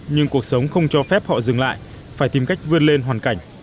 nhưng cuộc sống không cho phép họ dừng lại phải tìm cách vươn lên hoàn cảnh